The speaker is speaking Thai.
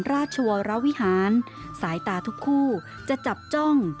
ราชวรวิหารสายตาทุกคู่จะจับจ้อง